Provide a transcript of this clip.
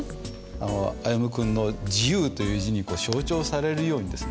歩夢君の「自由」という字にこう象徴されるようにですね